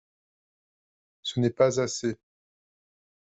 Ce n’est pas assez.